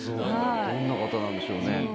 どんな方なんでしょうね。